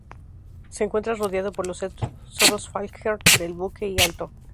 Se encuentra rodeado por los cerros Falkner, del Buque y Alto.